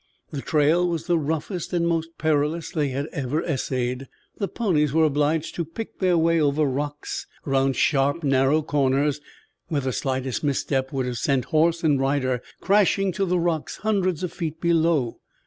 The trail was the roughest and the most perilous they had ever essayed. The ponies were obliged to pick their way over rocks, around sharp, narrow corners, where the slightest misstep would send horse and rider crashing to the rocks hundreds of feet below.